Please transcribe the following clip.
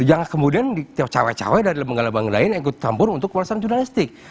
jangan kemudian dicawai cawai dari lembaga lembaga lain yang ikut campur untuk ulasan jurnalistik